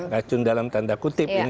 racun dalam tanda kutip ini ya